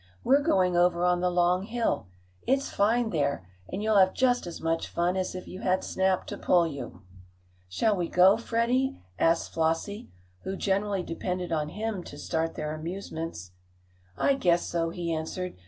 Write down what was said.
"We're going over on the long hill. It's fine there, and you'll have just as much fun as if you had Snap to pull you." "Shall we go, Freddie?" asked Flossie, who generally depended on him to start their amusements. "I guess so," he answered.